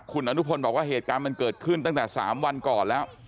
คุณอนุพลบอกว่าเหตุการณ์มันเกิดขึ้นตั้งแต่๓วันก่อนแล้ว